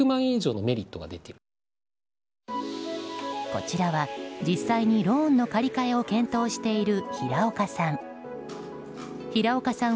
こちらは、実際にローンの借り換えを検討している平岡さん。